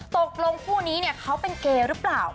ตกลงคู่นี้เขาเป็นเกย์หรือเปล่า